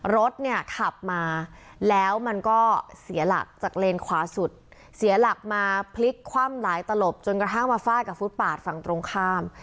รถเนี่ยขับมาแล้วมันก็เสียหลักจากเลนขวาสุดเสียหลักมาพลิกคว่ำหลายตลบจนกระทั่งมาฟาดกับฟุตปาดฝั่งตรงข้าม